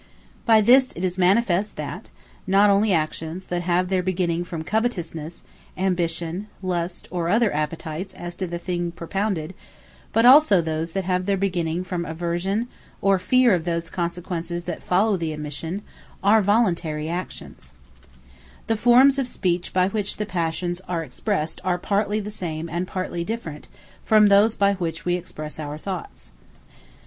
By this it is manifest, that not onely actions that have their beginning from Covetousness, Ambition, Lust, or other Appetites to the thing propounded; but also those that have their beginning from Aversion, or Feare of those consequences that follow the omission, are Voluntary Actions. Formes Of Speech, In Passion The formes of Speech by which the Passions are expressed, are partly the same, and partly different from those, by which we express our Thoughts.